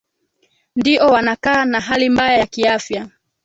ndio wanakaa na hali mbaya ya kiafya